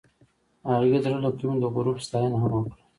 هغې د زړه له کومې د غروب ستاینه هم وکړه.